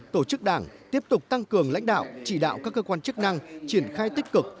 tổ chức đảng tiếp tục tăng cường lãnh đạo chỉ đạo các cơ quan chức năng triển khai tích cực